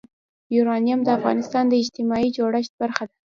یورانیم د افغانستان د اجتماعي جوړښت برخه ده.